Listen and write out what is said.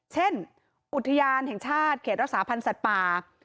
เช่นอุทยานแห่งชาติเขตรักษาพันธ์สัตว์ป่า